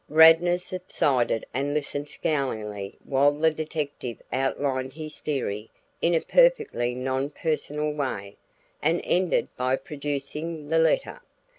Radnor subsided and listened scowlingly while the detective outlined his theory in a perfectly non personal way, and ended by producing the letter.